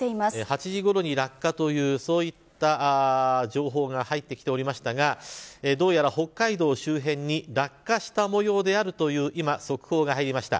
８時ごろに落下という情報が入ってきておりましたがどうやら北海道周辺に落下した模様であるという速報が入りました。